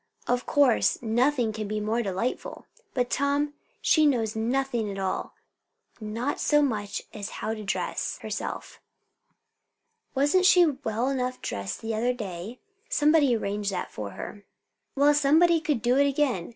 Of course nothing can be more delightful. But, Tom, she knows nothing at all; not so much as how to dress herself." "Wasn't she well enough dressed the other day?" "Somebody arranged that for her." "Well, somebody could do it again.